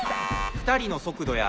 ２人の速度や。